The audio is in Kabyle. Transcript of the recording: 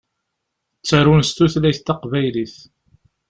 Ttarun s tutlayt taqbaylit.